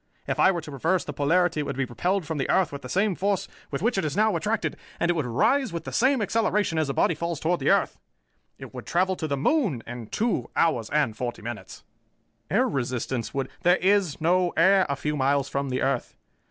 If I were to reverse the polarity, it would be repelled from the earth with the same force with which it is now attracted, and it would rise with the same acceleration as a body falls toward the earth. It would travel to the moon in two hours and forty minutes." "Air resistance would " "There is no air a few miles from the earth.